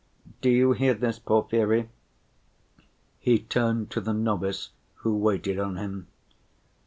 Do you hear this, Porfiry?" he turned to the novice who waited on him.